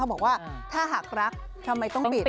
บอกว่าถ้าหากรักทำไมต้องบิด